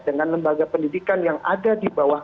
dengan lembaga pendidikan yang ada di bawah